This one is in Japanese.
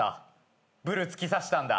ブル突き刺したんだ。